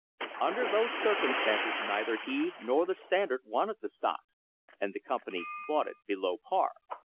Under those circumstances neither he nor the Standard wanted the stock, and the company bought it below par.